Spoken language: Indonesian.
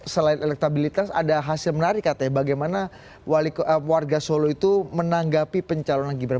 selain elektabilitas ada hasil menarik katanya bagaimana warga solo itu menanggapi pencalonan gibran